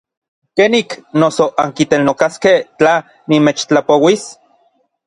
¿Kenik noso ankineltokaskej tla nimechtlapouis?